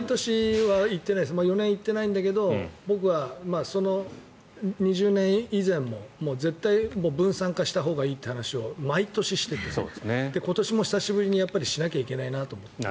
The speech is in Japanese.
毎年４年は行ってないですが僕は２０年以前も絶対に分散化したほうがいいという話を毎年していて今年も久しぶりにしなきゃいけないなと思っている。